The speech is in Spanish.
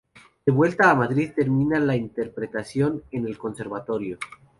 De vuelta a Madrid termina interpretación en el Conservatorio.